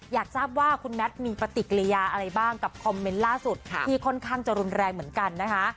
อยากทราบว่าคุณแมทมีปฏิกิริยาอะไรบ้างกับคอมเมนต์ล่าสุดที่ค่อนข้างจะรุนแรงเหมือนกันนะคะ